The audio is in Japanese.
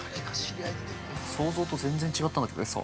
◆想像と全然違ったんだけど、餌。